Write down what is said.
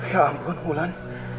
ya ampun mulan